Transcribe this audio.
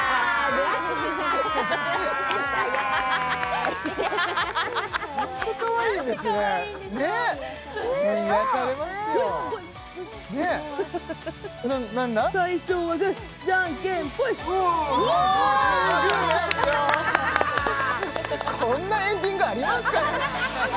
ぐねいいよこんなエンディングありますか